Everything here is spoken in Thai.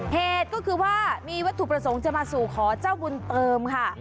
เหตุก็คือว่ามีวัตถุประสงค์จะมาสู่ขอเจ้าบุญเติมค่ะ